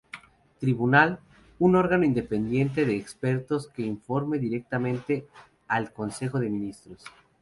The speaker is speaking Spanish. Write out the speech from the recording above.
Tribunal: Un órgano independiente de expertos que informe directamente al Consejo de Ministros.